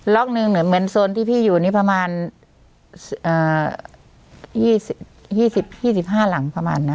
ล็อกหนึ่งเหมือนโซนที่พี่อยู่นี่ประมาณ๒๕หลังประมาณนั้น